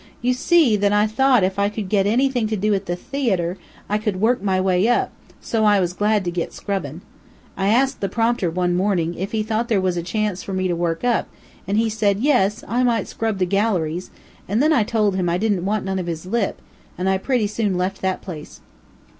"You see that I thought if I could get anything to do at the theayter, I could work my way up, so I was glad to get scrubbin'. I asked the prompter, one morning, if he thought there was a chance for me to work up, and he said yes, I might scrub the galleries, and then I told him that I didn't want none of his lip, and I pretty soon left that place.